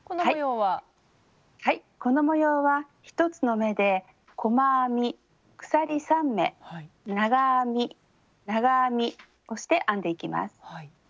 はいこの模様は１つの目で細編み鎖３目長編み長編みをして編んでいきます。